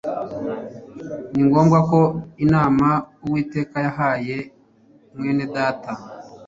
Ni ngombwa ko inama Uwiteka yahaye Mwenedata